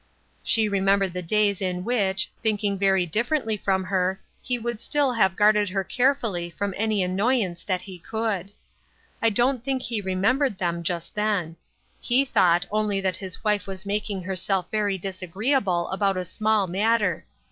She remem bered the days in which, thinking very differently from her, he would still have guarded her carefully from any annoyance that he could. I don't think he remembered them just then. He thought only that his wife was making herself very disagreeable about a small matter.